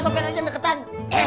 masukin ajan deketan